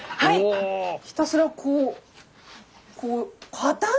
ひたすらこうこうかたい！